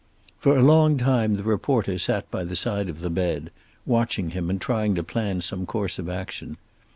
For a long time the reporter sat by the side of the bed, watching him and trying to plan some course of action.